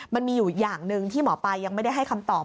มันมีอยู่อย่างหนึ่งที่หมอปลายังไม่ได้ให้คำตอบ